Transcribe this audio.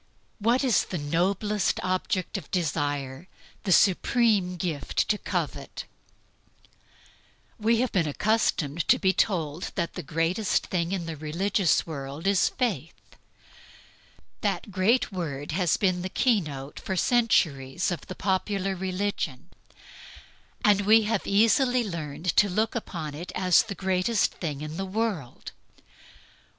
What is the noblest object of desire, the supreme gift to covet? We have been accustomed to be told that the greatest thing in the religious world is Faith. That great word has been the key note for centuries of the popular religion; and we have easily learned to look upon it as the greatest thing in the world.